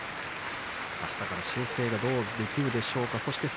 あしたから修正ができるでしょうか